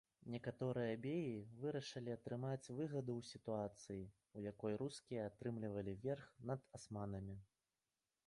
Некаторыя беі вырашылі атрымаць выгаду ў сітуацыі, у якой рускія атрымлівалі верх над асманамі.